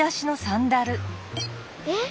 えっ？